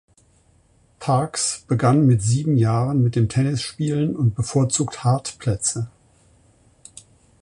Parks begann mit sieben Jahren mit dem Tennisspielen und bevorzugt Hartplätze.